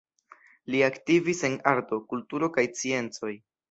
Li aktivis en arto, kulturo kaj sciencoj.